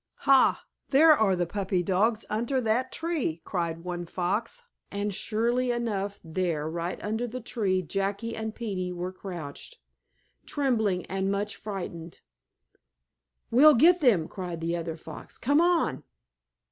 "Ha! There are the puppy boys under that tree!" cried one fox, and, surely enough, there, right under the tree, Jackie and Peetie were crouched, trembling and much frightened. "We'll get them!" cried the other fox. "Come on!"